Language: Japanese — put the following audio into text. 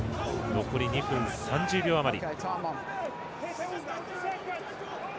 残り２分３０秒余り。